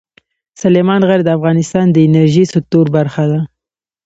سلیمان غر د افغانستان د انرژۍ سکتور برخه ده.